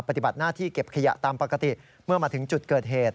ปฏิบัติหน้าที่เก็บขยะตามปกติเมื่อมาถึงจุดเกิดเหตุ